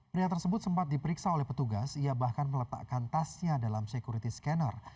pria tersebut sempat diperiksa oleh petugas ia bahkan meletakkan tasnya dalam security scanner